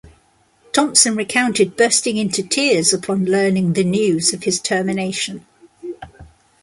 Thompson recounted bursting into tears upon learning the news of his termination.